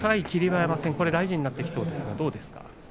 馬山戦大事になってきそうですが、どうですか？